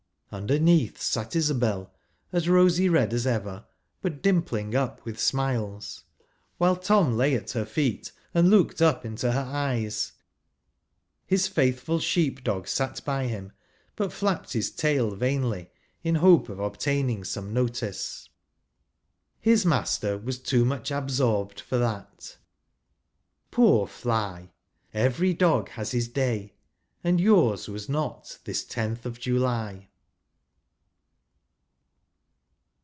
Underneath sat Isabel, as rosy red as ever, but dimj^ling up with smiles, while Tom lay at her feet, and looked up into her eyes ; his faithful sheep flog sat by him, but flapped his tail v.ainly in hope of obtaining some notice. His master was too much ab 451 sorbed for that. Poor Fly ! Every dog has his day, and yours was not this tenth ol July.